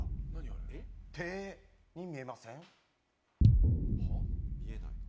手に見えません？